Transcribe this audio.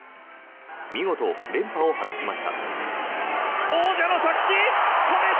見事、連覇を果たしました。